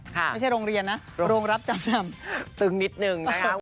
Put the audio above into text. ไม่ใช่โรงเรียนนะโรงรับจำนำตึงนิดนึงนะคะ